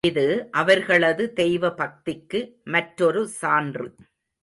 இது அவர்களது தெய்வ பக்திக்கு மற்றொரு சான்று.